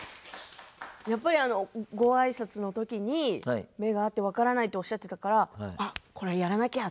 やっぱり、ごあいさつのときに目が合って「分からない」っておっしゃってたからあっ、これはやらなきゃ！